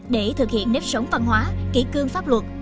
để thực hiện nếp sống văn hóa kỹ cương pháp luật